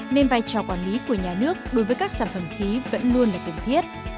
nên vai trò quản lý của nhà nước đối với các sản phẩm khí vẫn luôn là cần thiết